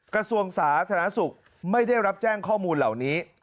กระทรวงสาธารณสุขไม่ได้รับแจ้งข้อมูลเหล่านี้